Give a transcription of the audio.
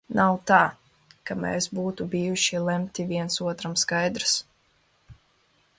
Nav tā, ka mēs būtu bijuši lemti viens otram, skaidrs?